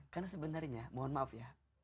karena sebenarnya mohon maaf ya